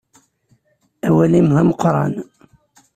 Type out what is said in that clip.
Awal-im d ameqqran.